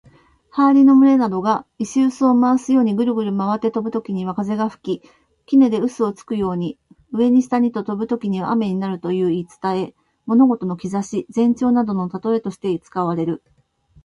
羽蟻の群れなどが石臼を回すようにぐるぐると回って飛ぶときには風が吹き、杵で臼をつくように、上に下にと飛ぶときには雨になるという言い伝え。物事の兆し、前兆などの例えとして使われる。